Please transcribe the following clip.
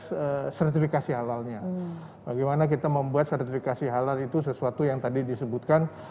proses sertifikasi halalnya bagaimana kita membuat sertifikasi halal itu sesuatu yang tadi disebutkan